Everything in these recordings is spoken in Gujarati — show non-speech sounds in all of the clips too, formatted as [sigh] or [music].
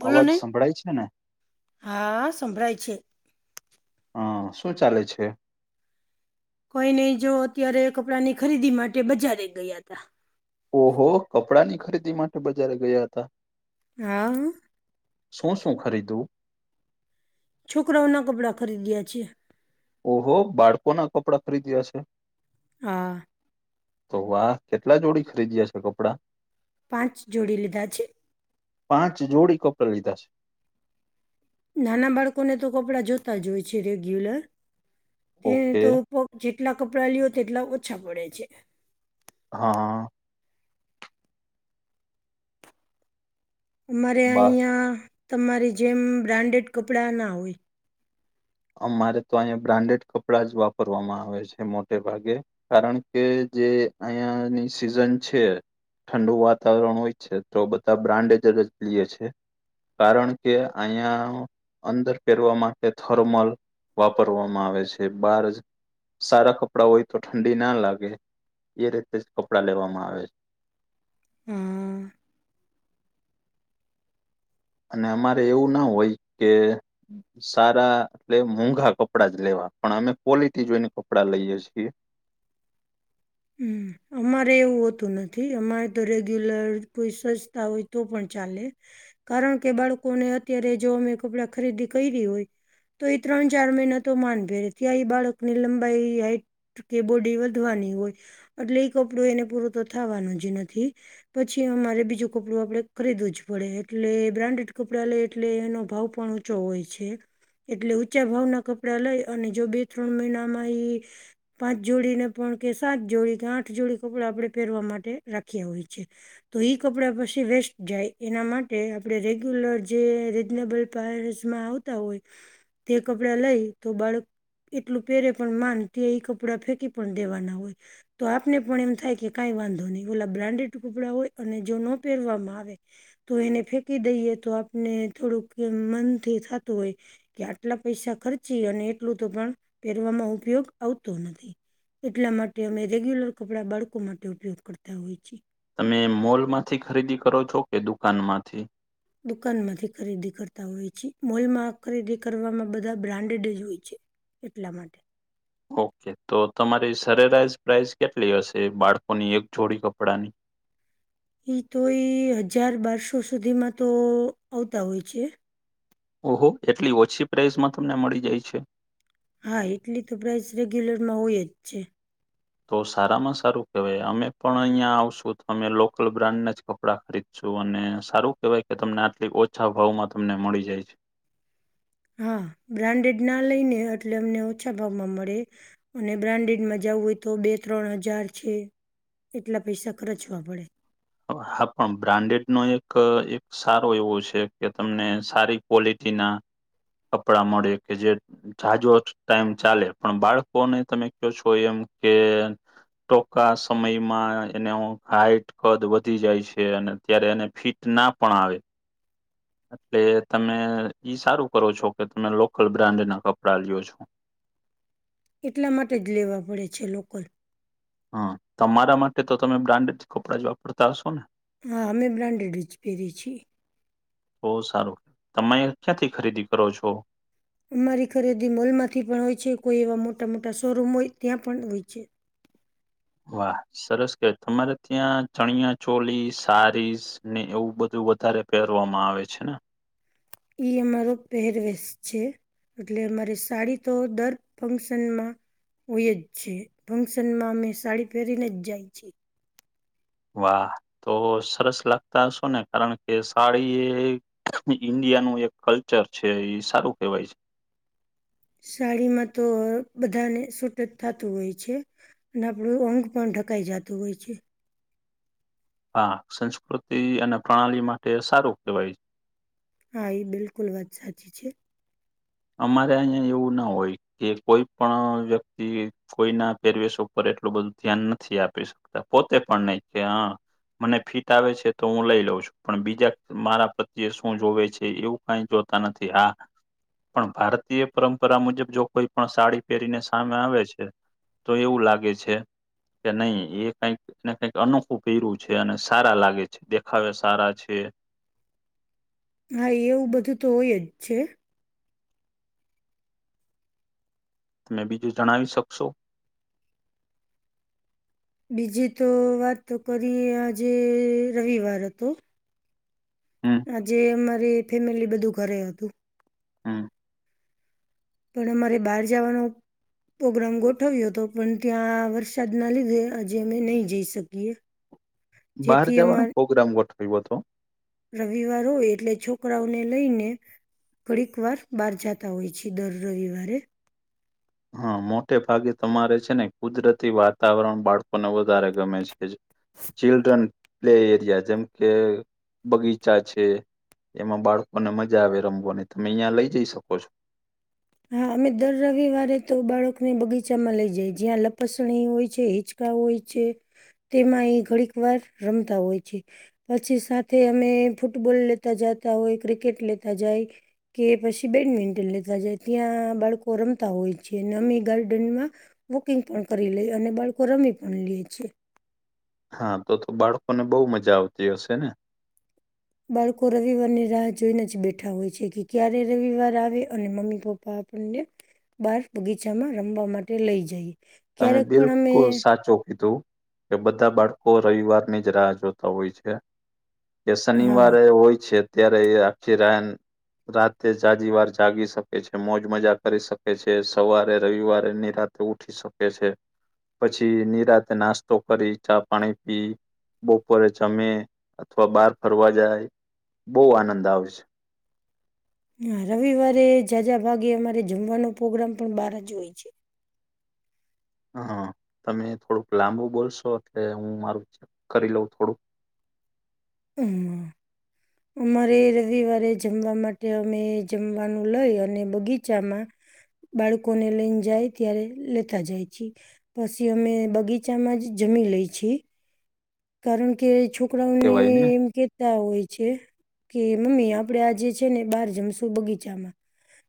બોલો અવાજ ને સંભળાય છે ને હા સંભળાય છે. હા શું ચાલે છે. કોઈ નહી જો અત્યારે કપડાં ની ખરીદી માટે બજારે ગયા ત ઓહો કપડા ની ખરીદી માટે બજારે ગયા હતા હા શું શું ખરીદવું છોકરાઓના કપડા ખરીદ્યા છીએ ઓહો બાળકોના કપડા ખરીદ્યા છે હ તો વા કેટલા જોડી ખરીદ્યા છે કપડાં પાંચ જોડી લીધા છે પાંચ જોડી કપડા લીધા છે નાના બાળકોને તો કપડાં જોતા જ હોય છે રેગ્યુલર તેને ઓકે તો જેટલા કપડાં લઓ તેટલા ઓછા પડે છે હા અમારે બા અહીંયા તમારી જેમ બ્રાન્ડેડ કપડાં ના હોય અમારે તો અહીંયા બ્રાન્ડેડ કપડાં જ વાપરવામાં આવે છે મોટે ભાગે કારણ કે જે અહયાની સિઝન છે ઠંડુ વાતાવરણ હોય છે તો બધા બ્રાન્ડજ જ લએ છે કારણ કે અહીયા અંદર પહેરવા માટે થર્મલ વાપરવામાં આવે છે બાર જ સારા કપડાં હોય તો ઠંડી ના લાગે એ રીતે જ કપડાં લેવામાં આવે છે હ અને અમારે એવું ના હોય કે સારા એટલે મોંઘા કપડા જ લેવા પણ અમે ક્વોલિટી જોઈને કપડાં લઈએ છીએ [inaudible] હમ અમારે એવું હોતું નથી અમારે તો રેગ્યુલર કોઈ સસ્તા હોય તો પણ ચાલે કારણ કે બાળકોને અત્યારે જો અમે કપડાં ખરીદી કરી હોય તો એ ત્રણ ચાર મહિના તો માનભેરે ત્યાં એ બાળક ની લંબાઈ કે બોડી વધવાની હોય એટલે એ કપડું એને પૂરું તો થવાનું જ નથી પછી અમારે બીજું કપડું આપડણે ખરીદવું જ પડે એટલે બ્રાન્ડેડ કપડા લે એટલે એનો ભાવ પણ ો હોય છે એટલે ઊંચા ભાવના કપડા લઈ અને જો બે ત્રણ મહિનામાં પાંચ જોડી ને પણ કે સાત જોડી કે આઠ જોડી કપડા આપણે પહેરવા માટે રાખ્યા હોય છે તો ઈ કપડાં પછી વેસ્ટ જાય એના માટે આપણેે રેગ્યુલર જે રીઝનેબલ માં આવતા હોય તે કપડા લઈ તો બાળક એટલું પેરે પણ માન ત ઈ કપડાં ફેંકી પણ દેવાના હોય તો આપને પણ એમ થાય કે કાંઈ વાંધો નહીિ ઓલા બ્રાન્ડેડ કપડાં હોય અને જો ન પહેરવામાં આવે તો એને ફેંકી દઈએ તો આપને થોડુંક મનથી થતું હોય કે આટલા પૈસા ખર્ચી અને એટલું તો પણ પહેરવામાં ઉપયોગ આવતો નથી એટલા માટે અમે રેગ્યુલર કપડા બાળકો માટે ઉપયોગ કરતા હોય છીએ તમે મોલમાંથી ખરીદી કરો છો કે દુકાન માંથી દુકાન માંથી ખરીદી કરતા હોય છે મોલમાં ખરીદી કરવામાં બધા બ્રાન્ડેડ જ હોય છે એટલા માટે- - ઓકે તો તમારી સરેરાશ પ્રઇસ કેટલી હશે બાળકોની એક જોડી કપડાંની? ઈ તો એ હજાર બારસો સુધીમાં તો આવતા હોય છે. ઓહો એટલી ઓછી પ્રાઇસમાં તમને મળી જાય છે? હા એટલી તો પ્રાઇસ રેગ્યુલર માં હોય જ છે. તો સારામાં સારું કેવાય અમે પણ અહિયા આવશું તો અમે લોકલ બ્રાન્ડના જ- - કપડા ખરીદશું અને સારું કેવાય કે તમને આટલી ઓછા ભાવમાં તમને મળી જાય છે. હા બ્રાન્ડેડ ના લઈ ને એટલે અમને ઓછા ભાવમાં મળે- - અને બ્રાન્ડેડમાં જવું હોય તો બે ત્રણ હજાર છે. એટલા પૈસા ખર્ચવા પડે. હા પણ બ્રાન્ડેડ નો એક- - સારું એવું છે કે તમને સારી ક્વોલિટીના કપડા મળે કે જે- - જાજો ટાઈમ ચાલે પણ બાળકોને તમે કો છો એમ કે- - ટુકા સમયમાં એનો હાઈટ- - કદ વધી જાય છે અને ત્યારે એને ફિટ ના પણ આવે- - એટલે તમે ઈ સારું કરો છો કે તમે લોકલ બ્રાન્ડ ના કપડા લ્યો છો. એટલા માટે જ લેવા પડે છે લોકલ. હા તમારા માટે તો તમે બ્રાન્ડેડ કપડાં જ વાપરતા હશો ને? હા અમે બ્રાન્ડેડ જ પહેરીએ છીએ. બહુ સારું તમે ક્યાંથી ખરીદી કરો છો? અમારી ખરીદી મોલ માંથી પણ હોય છે કોઈ એવા મોટા મોટા શોરૂમ હોય ત્યાં પણ હોય છે. વાહ સરસ હોય તમારે ત્યાં ચણિયા ચોલી સારીસ- - અને એવું બધું વધારે પહેરવામાં આવે છે ને- - એ અમારો પહેરવેશ છે. એટલે મારે સાડી તો દર ફંક્શનમાં- - હોય જ છે ફંક્શન માં અમે સાડી પહેરીને જ જાય છીએ. વાહ તો સરસ લાગતા શો ને કારણ કે સાડી એ- - ઈન્ડિયાનું એક કલ્ચર છે એ સારું કહેવાય છે. સાડીમાં તો બધાને સૂટ જ થતું હોય છે. અને આપણું અંગ પણ ઢકાઈ જતું હોય છે. હા સંસ્કૃતિ અને પ્રણાલી માટે સારું કહેવાય છે. હા એ બિલકુલ વાત સાચી છે. અમારે અહીયાં એવું ના હોય કે કોઈ પણ વ્યક્તિ- - કોઈના પેરવેશ ઉપર એટલું બધું ધ્યાન નથી આપી શકતા પોતે પણ નહી કે હ- - મને ફિટ આવે છે તો હું લઈ લઉં છું પણ બીજા મારા પ્રત્યે શું જોવે છે એવું- - કઈ જોતા નથી આ- - પણ ભારતીય પરંપરા મુજબ જો કોઈ પણ સાડી પહેરીને સામે આવે છે- - તો એવું લાગે છે કે નહી એ કઈક- - ને કઈક અનોખું પેહરું છે અને સારા લાગે છે દેખાવ સારા છે. હા એવું બધું તો હોય જ છે. તમે બીજું જણાવી શકશો? બીજી તો વાત કરીએ આજે રવિવાર હતો- - હમ આજે અમારી ફેમિલી બધું ઘરે હતું. હમ પણ અમારે બહાર જવાનો- - પ્રોગ્રામ ગોઠવ્યો હતો પણ ત્યાં વરસાદના લીધે આજે અમે નહી જઈ શકીએ. બહાર જેથી જવાનો અમારે પ્રગ્રામ ગોઠવ્યો હતો? રવિવાર હોય એટલે છોકરાઓને લઈને- - થોડીક વાર બહાર જતા હોય છે દર રવિવારે. હા મોટે ભાગે તમારે છે ને કુદરતી વાતાવરણ બાળકોને વધારે ગમે છે જ. ચિલ્ડ્રન પ્લે એરિયા જેમ કે બગીચા છે- - એમાં બાળકોને મજા આવે રમવો ને તમે અહિયાં લઈ જઈ શકો છો હા અમે દર રવિવારે તો બાળકને બગીચામાં લઈ જઈ જ્યાં લપસણી હોય છે હચ હોય છે તેમાં એ ઘડીક વાર રમતા હોય છે પછી સાથે અમે ફૂટબોલ લેતા જતા હોય ક્રિકેટ લેતા જાય કે પછી બેડમિન્ટન લેતા જાય ત્યાં બાળકો રમતા હોય છે અને અમી ગાર્ડનમાં બુકિંગ પણ કરી લે અને બાળકો રમી પણ લે છે હા તો તો બાળકોને બહુ મજા આવતી હશે ને બાળકો રવિવાર ની રાહ જોઈને જ બેઠા હોય છે કે ક્યારે રવિવાર આવે અને મમ્મી પપ્પા આપને બાર બગીચામાં રમવા માટે લઈ જઈએ તમે ક્યારેક પણ અમે બિલકુલ સાચું કીધું કે બધા બાળકો રવિવાર ની જ રાહ જોતા હોય છે કે હા શનિવારે હોય છે ત્યારે એ આખી રાયન રાતે જાજી વાર જાગી શકે છે મોજ મજા કરી શકે છે સવારે રવિવારે નિરા તે ઉઠી શકે છે પછી નિરાતે નાસ્તો કરી ચા પાણી પી બપોરે જમે અથવા બહાર ફરવા જાય બહુ આનંદ આવે છે હા રવિવારે જાઝજા ભાગે અમારે જમવાનો પ્રોગ્રામ પણ બાર જ હોય છે હા તમે થોડુંક લાંબુ બોલશો એટલે હું મારું ચેક કરી લઉં થોડુંક હમ અમારે રવિવારે જમવા માટે અમે જમવાનું લઈ અને બગીચામાં બાળકોને લઈને જાય ત્યારે લેતા જાય છે પછી અમે બગીચામાં જ જમી લઈ છીએ કારણ કે છોકરાઓને કેવાય ને એમ કે હોય છે કે મમ્મી આપડે આજે છે ને બહાર જમશું બગીચામાં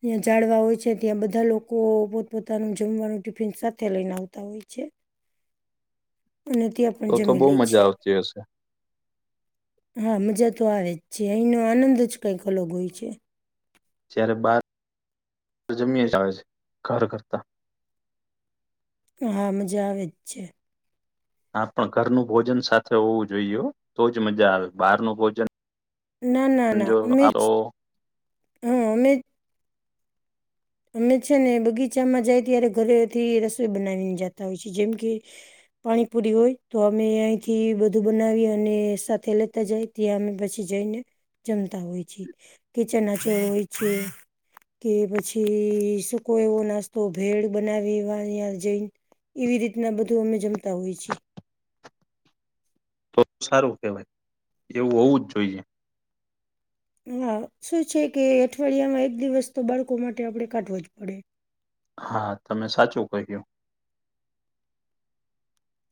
ત્યાં જાડવા હોય છે ત્યાં બધા લોકો પોતપોતાનું જમવાનું ટિફિન સાથે લઈને આવતા હોય છે [inaudible] અને ત્યા આપ તો તો બઉુ મજા આવતી હશે હા મજા તો આવે જ છે અહીંનો આનંદ જ કઈક અલગ હોય છે જ્યારે બાર જમી આવે છે ઘર કરતા હામજ વિ હા પણ ઘરનું ભોજન સાથે હોવું જોઈએ તોજ મજા આવે બહાર ન ભોજન ના ના ના જો ઉમે આ તો હમ ઉમેદ અમે છે ને બગીચામાં જાય ત્યારે ઘરે થી રસોઈ બનાવીને જાતા હોય છે જેમ કે પાણીપુરી હોય તો અમે અહીંથી બધું બનાવી અને સાથે લેતા જાય ત્યા અમે પછી જઈને જમતા હોય છીએ કિચનચ હોય છે કે પછી સુકો એવો નાસ્તો ભેળ બનાવીવા જઈ એવી રીતના બધું અમે જમતા હોય છીએ તો સારું કેવાય એવું હોવું જ જોઈએ હા શું છે કે અઠવાડિયામાં એક દિવસ તો બાળકો માટે આપડણે કાઢવો જ પડે હા તમે સાચું કહ્યું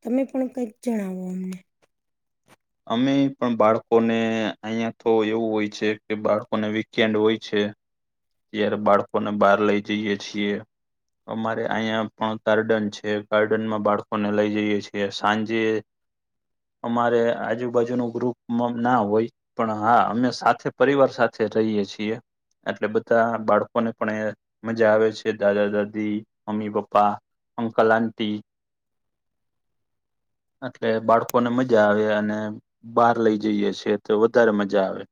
તમે પણ કંઈક જણાવો અમને અમે પણ બાળકોને અહિયાંયા તો એવું હોય છે કે બાળકોને વીકેન્ડ હોય છે ત્યારે બાળકો ને બહાર લઇ જઈએ છીએ અમારે અહિયાં પણ ગાર્ડન છે ગાર્ડન માં બાળકોને લઈ જઈએે છીએ સાંજે અમારે આજુબાજુ ન ગ્રુપ ના હોય પણ હા અમે સાથે પરિવાર સાથે રહીએ છીએ એટલે બધા બાળકોને પણ મજા આવે છે દાદા દાદી મમ્મી પપ્પા અંકલ આટી એટલે બાળકોને મજા આવે અને બહાર લઈ જઈએ છેએ તો વધારે મજા આવે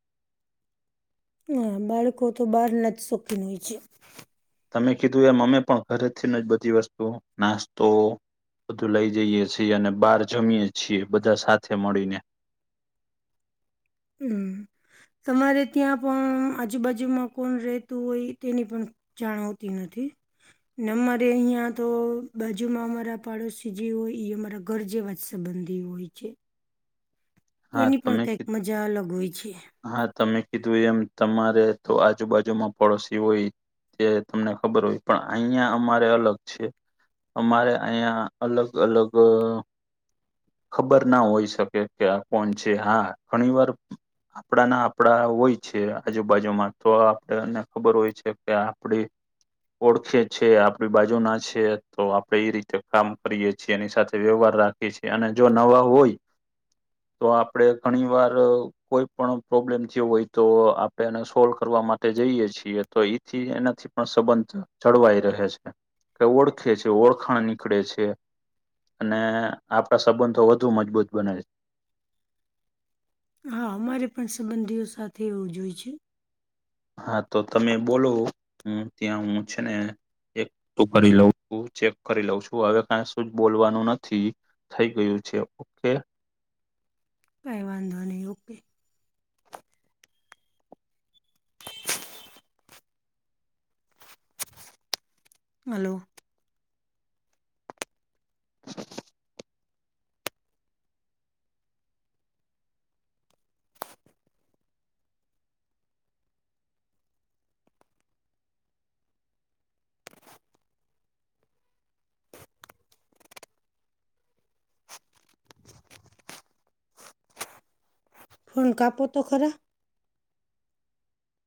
હા બાળકો તો બહારનાં જ શોખીન હોય છે. તમે કીધું એ અમે પણ ઘરેથી ન જ બધી વસ્તુ નાસ્તો બધું લઇ જઈએ છીએ અને બહાર જમીએ છીએ બધા સાથે મળીને હમ તમારે ત્યાં પણ આજુબાજુમાં કોણ રહેતું હોય તેની પણ જાણવતી નથી. અમારે અહીં તો બાજુમાં અમારા પાડોશી જે હોય જે અમારાં ઘર જેવાં જ સંબંધી હોય છે. હા એની પણ તમે કઈક કી- મજા અલગ હોય છે. હા તમે કીધું એમ તમારે તો આજુબાજુમાં પડોશી હોય. તે તમને ખબર હોય પણ અહિયાં અમારે અલગ છે. અમારે અહિયાં અલગ અલગ ખબર ના હોય શકે કે આ કોણ છે હા ઘણીવાર આપણા ના આપણા હોય છે આજુબાજુમાં તો આપણને ખબર હોય છે કે આપડી ઓળખે છે આપણી બાજુનાં છે તો આપણે એ રીતે કામ કરીએ છીએ એની સાથે વ્યવહાર રાખ છે અને જો નવા હોય તો આપણે ઘણીવાર કોઈ પણ પ્રોબ્લેમ થયો હોય તો આપણે એને સોલ્વ કરવા માટે જઈએ છીએ તોઈ થી એનાથી પણ સંબંધ જળવાઈ રહે છે. કે ઓળખે છે ઓળખાણ નીકળે છે. અને આપણા સંબંધો વધુ મજબૂત બને છે. હા અમારે પણ સંબંધીઓ સાથે એવું જોય છે. હા તો તમે બોલો હું ત્યાં હું છે ને એકઠું કરી લઉ છું ચેક કરી લઉં છું હવે કંશું જ બોલવાનું નથી. થઈ ગયું છે ઓકે. કઈ વાંધો નહીં ઓકે હલો [inaudible] ફોન કાપો તો ખરાં